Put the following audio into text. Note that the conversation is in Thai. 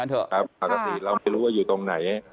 เราไม่รู้อยู่ตรงไหน